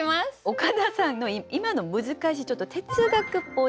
岡田さんの今の難しいちょっと哲学っぽい